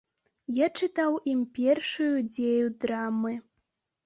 Я чытаў ім першую дзею драмы.